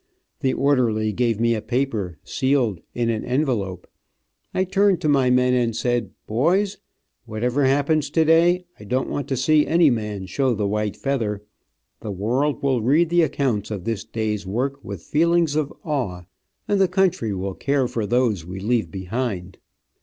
The orderly gave me a paper, sealed in an envelope. I turned to my men, and said, "Boys, whatever happens today, I don't want to see any man show the white feather. The world will read the accounts of this day's work with feelings of awe, and the country will care for those we leave behind."